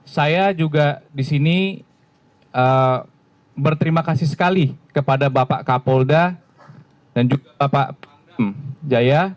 saya juga di sini berterima kasih sekali kepada bapak kapolda dan juga bapak pang jaya